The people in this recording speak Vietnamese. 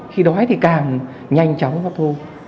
khi đói thì càng nhanh chóng hấp thu